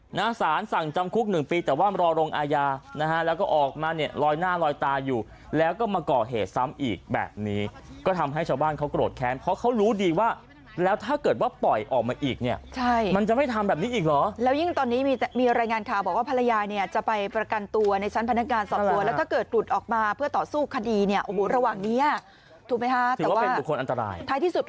หน้าศาลสั่งจำคุก๑ปีแต่ว่ามารอโรงอาญานะฮะแล้วก็ออกมาเนี่ยรอยหน้ารอยตาอยู่แล้วก็มาก่อเหตุซ้ำอีกแบบนี้ก็ทำให้ชาวบ้านเขากรดแค้นเพราะเขารู้ดีว่าแล้วถ้าเกิดว่าปล่อยออกมาอีกเนี่ยใช่มันจะไม่ทำแบบนี้อีกหรอแล้วยิ่งตอนนี้มีแต่มีรายงานข่าวบอกว่าภรรยายเนี่ยจะไปประกันตัวในชั้นพนักงานส